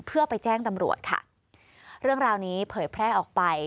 เพื่อไปแจ้งตำรวจค่ะเรื่องราวนี้เผยแพร่ออกไป